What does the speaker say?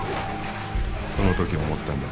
その時思ったんだ。